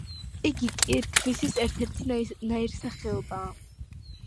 იგი კირქვის ერთ-ერთი ნაირსახეობაა.